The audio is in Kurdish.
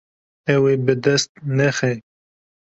Ew ê bi dest nexe.